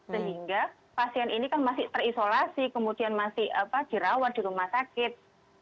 sehingga pasien ini kan masih terisolasi kemudian masih dirawat di rumah sakit